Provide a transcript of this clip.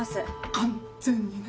完っ全にね。